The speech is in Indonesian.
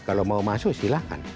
kalau mau masuk silahkan